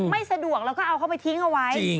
ไม่สะดวกแล้วก็เอาเขาไปทิ้งเอาไว้